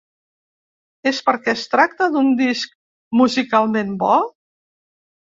És perquè es tracta d’un disc musicalment bo?